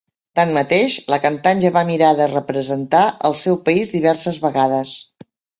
Tanmateix, la cantant ja va mirar de representar el seu país diverses vegades.